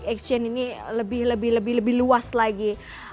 program plastik eksin ini lebih lebih luas lagi